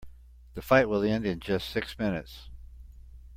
The fight will end in just six minutes.